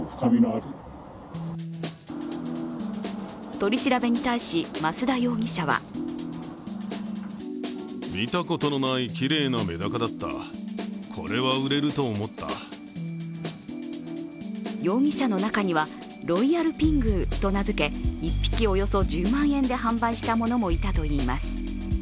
取り調べに対し増田容疑者は容疑者の中にはロイヤルピングーと名づけ１匹およそ１０万円で販売した者もいたといいます。